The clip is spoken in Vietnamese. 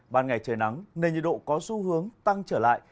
ban ngày trời nắng nên nhiệt độ có xu hướng tăng trở lại